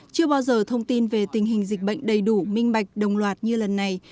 chưa bao giờ thông tin về tình hình dịch bệnh đầy đủ minh bạch đồng loạt như lần này